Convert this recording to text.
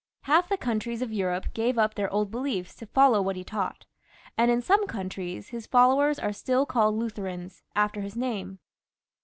Half the countries of Europe gave up their old beliefs to follow what he taught, and in some countries his followers are XXXIV.] FRANCIS I. 239 still called Lutherans, after his name.